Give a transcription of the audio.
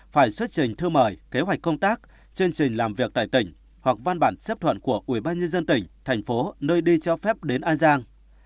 phải xuất trình thư mời kế hoạch công tác chương trình làm việc tại tỉnh hoặc văn bản xếp thuận của ubnd tỉnh thành phố nơi đi cho phép đến an giang